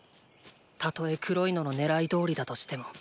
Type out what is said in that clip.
たとえ黒いのの狙い通りだとしても。